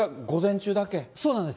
そうなんです。